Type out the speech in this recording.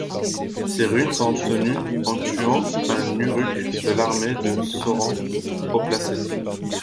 Ces runes sont obtenues en tuant un Uruk de l'armée de Sauron haut placé.